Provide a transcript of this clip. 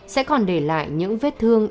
sẽ còn để lại những vết thương